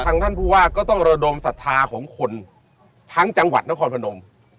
ท่านผู้ว่าก็ต้องระดมศรัทธาของคนทั้งจังหวัดนครพนม